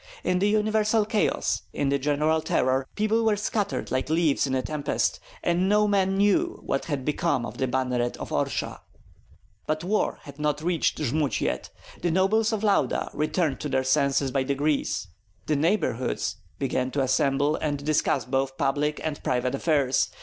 In the universal chaos, in the general terror, people were scattered like leaves in a tempest, and no man knew what had become of the banneret of Orsha. But war had not reached Jmud yet. The nobles of Lauda returned to their senses by degrees. "The neighborhoods" began to assemble, and discuss both public and private affairs.